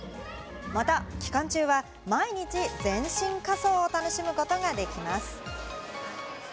また、期間中は毎日全身仮装を楽しむことができます。